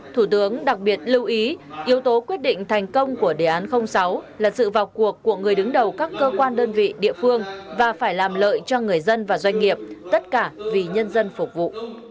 thủ tướng đặc biệt lưu ý yếu tố quyết định thành công của đề án sáu là sự vào cuộc của người đứng đầu các cơ quan đơn vị địa phương và phải làm lợi cho người dân và doanh nghiệp tất cả vì nhân dân phục vụ